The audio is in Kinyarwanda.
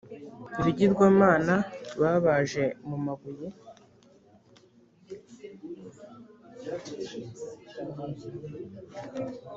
ibigirwamana babaje mu mabuye